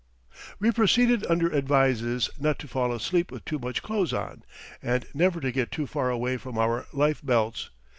We proceeded under advices not to fall asleep with too much clothes on, and never to get too far away from our life belts.